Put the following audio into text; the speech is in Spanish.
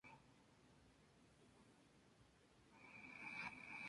El texto está en el dominio público.